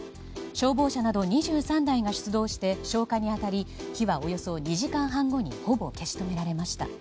消防車など２３台が出動して消火に当たり火はおよそ２時間半後にほぼ消し止められました。